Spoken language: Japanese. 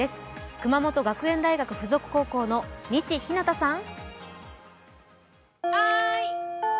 熊本学園大学付属高校の西姫夏さん。